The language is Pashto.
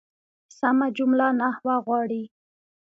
سمه جمله نحوه غواړي.